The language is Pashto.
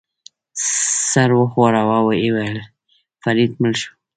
سر وښوراوه، ویې ویل: فرید مړ شو.